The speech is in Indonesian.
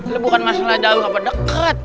lu bukan masalah jauh apa deket